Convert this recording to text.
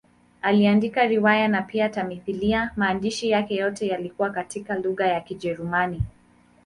Aliandika riwaya na pia tamthiliya; maandishi yake yote yalikuwa katika lugha ya Kijerumani.